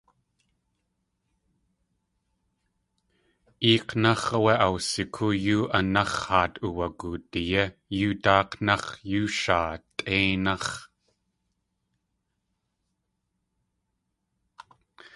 Eek̲náx̲ áwé awsikóo yú anax̲ haat uwagudi yé yú dáak̲náx̲ yú shaa tʼéináx̲.